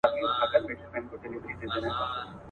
وو حاکم خو زور یې زیات تر وزیرانو.